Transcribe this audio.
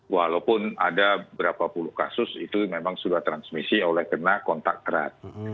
walaupun ada berapa puluh kasus itu memang sudah transmisi oleh kena kontak erat